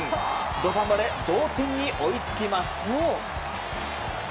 土壇場で同点に追いつきます。